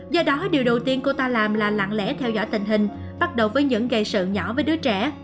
do đó điều đầu tiên cô ta làm là lặng lẽ theo dõi tình hình bắt đầu với những gây sự nhỏ với đứa trẻ